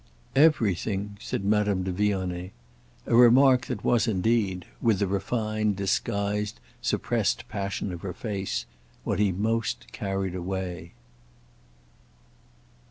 "Everything," said Madame de Vionnet: a remark that was indeed—with the refined disguised suppressed passion of her face—what he most carried away.